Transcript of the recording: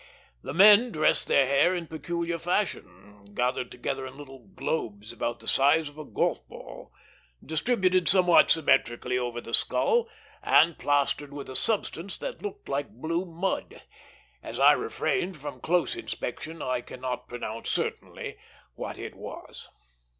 The men dressed their hair in peculiar fashion, gathered together in little globes about the size of a golf ball, distributed somewhat symmetrically over the skull, and plastered with a substance which looked like blue mud. As I refrained from close inspection, I cannot pronounce certainly what it was.